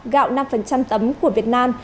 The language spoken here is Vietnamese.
gạo năm tấm của việt nam